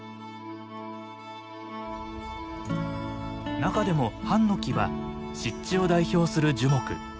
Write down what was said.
中でもハンノキは湿地を代表する樹木。